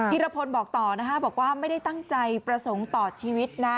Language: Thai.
รพลบอกต่อนะคะบอกว่าไม่ได้ตั้งใจประสงค์ต่อชีวิตนะ